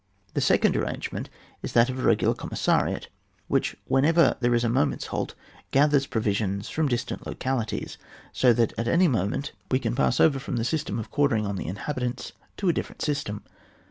The second arrangement is that of a regular commissariat, which whenever there is a moment's halt gathers provi sions from distant localities, so that at any moment we can pass over from, the 48 ON WAR. BOOK V. system of quartering on the inhabitants to a different system.